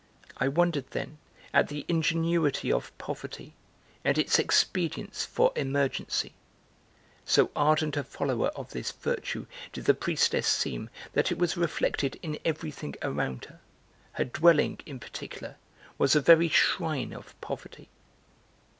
I wondered, then, at the ingenuity of poverty and its expedients for emergency. (So ardent a follower of this virtue did the priestess seem that it was reflected in everything around her. Her dwelling, in particular, was a very shrine of poverty.)